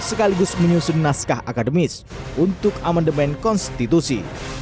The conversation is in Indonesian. dpd sekaligus menyusun naskah akademis untuk amendement konstitusi